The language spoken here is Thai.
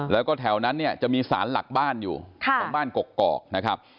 แล้วก็แถวนั้นเนี่ยจะมีสารหลักบ้านอยู่ของบ้านกกอกนะครับ